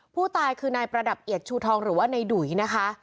ผู้ตายคือนายประดับเอียดชูทองหรือว่านายดุ๋ยนะคะ